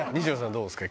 どうですか？